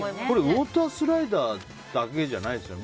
ウォータースライダーだけじゃないですよね。